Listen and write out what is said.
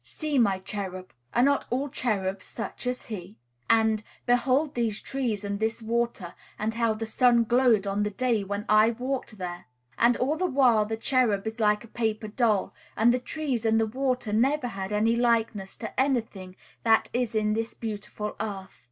"See my cherub. Are not all cherubs such as he?" and "Behold these trees and this water; and how the sun glowed on the day when I walked there!" and all the while the cherub is like a paper doll, and the trees and the water never had any likeness to any thing that is in this beautiful earth.